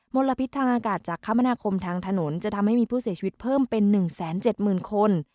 ลพิษทางอากาศจากคมนาคมทางถนนจะทำให้มีผู้เสียชีวิตเพิ่มเป็น๑๗๐๐คน